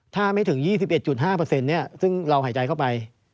ถ้าไม่ถึง๒๑๕ซึ่งเราหายใจเข้าไป